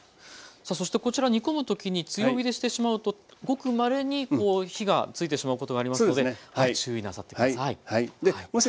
さあそしてこちら煮込む時に強火でしてしまうとごくまれに火がついてしまうことがありますので注意なさって下さい。